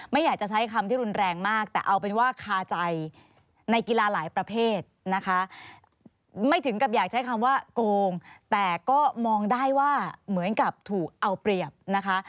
ไม่อยากจะใช้คำที่รุนแรงมากแต่เอาเป็นว่าคาใจในกีฬาหลายประเภทนะคะไม่ถึงกับอยากใช้คำว่าโกงแต่ก็มองได้ว่าเหมือนกับถูกเอาเปรียบนะคะ